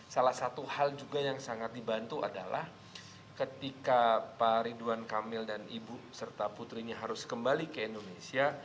salah satu hal juga yang sangat dibantu adalah ketika pak ridwan kamil dan ibu serta putrinya harus kembali ke indonesia